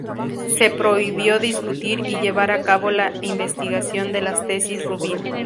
Se prohibió discutir y llevar a cabo la investigación de las tesis Rubin.